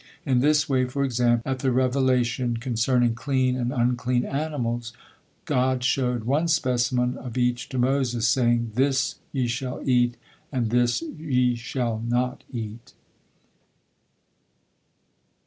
In this way, for example, at the revelation concerning clean and unclean animals, God showed one specimen of each to Moses, saying: "This ye shall eat, and this ye shall not eat."